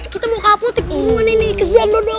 kita mau ke apotik mohon ini kesian dodot